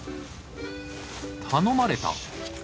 頼まれた？